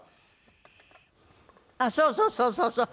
あっそうそうそうそうそう。